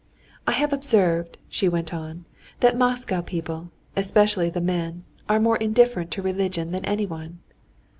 "I have observed," she went on, "that Moscow people, especially the men, are more indifferent to religion than anyone."